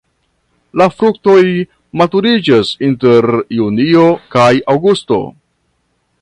La fruktoj maturiĝas inter junio kaj aŭgusto.